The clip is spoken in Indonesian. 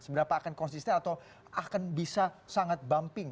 seberapa akan konsisten atau akan bisa sangat bumping